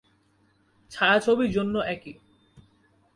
ছায়াছবি জন্য একই।